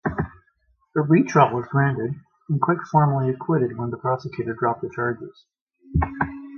A retrial was granted, and Quick formally acquitted when the prosecutor dropped the charges.